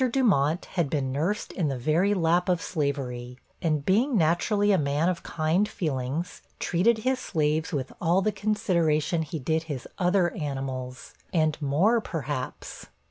Dumont had been nursed in the very lap of slavery, and being naturally a man of kind feelings, treated his slaves with all the consideration he did his other animals, and more, perhaps.